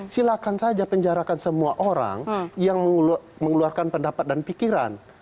silahkan saja penjarakan semua orang yang mengeluarkan pendapat dan pikiran